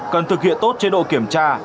cần thực hiện tốt chế độ kiểm tra